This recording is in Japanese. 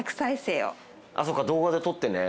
そっか動画で撮ってね。